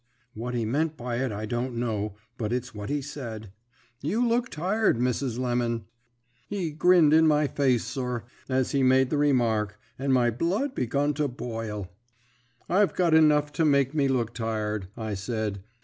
What he meant by it I don't know, but it's what he said. 'You look tired, Mrs. Lemon.' "He grinned in my face, sir, as he made the remark, and my blood begun to boil. "I've got enough to make me look tired,' I said.